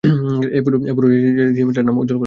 এ পুরো রেজিমেন্টের নাম উজ্জ্বল করেছে।